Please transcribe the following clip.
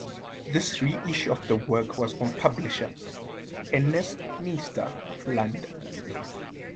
This reissue of the work was from publisher Ernest Nister of London.